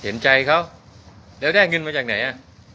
เห็นใจเขาแล้วได้เงินมาจากไหนอ่ะ